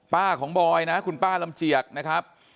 ของบอยนะคุณป้าลำเจียกนะครับ